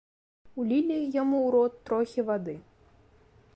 Улілі яму ў рот трохі вады.